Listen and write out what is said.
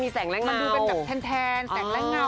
แสงแรงมันดูเป็นแบบแทนแสงและเงา